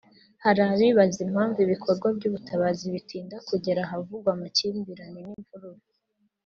Hari abibaza impamvu ibikorwa by’ubutabazi bitinda kugera ahavugwa amakimbirane n’imvururu